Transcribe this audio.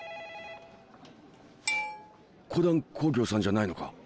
コダン工業さんじゃないのか？